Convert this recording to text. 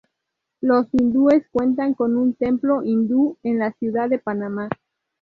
Los hindúes cuentan con un Templo Hindú en la Ciudad de Panamá.